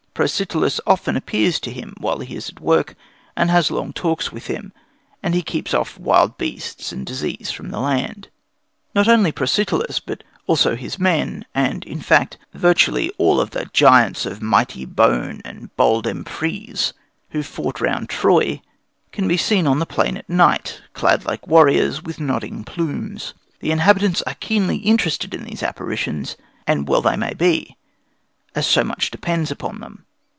Protesilaus often appears to him while he is at work and has long talks with him, and he keeps off wild beasts and disease from the land. Not only Protesilaus, but also his men, and, in fact, virtually all of the "giants of the mighty bone and bold emprise" who fought round Troy, can be seen on the plain at night, clad like warriors, with nodding plumes. The inhabitants are keenly interested in these apparitions, and well they may be, as so much depends upon them.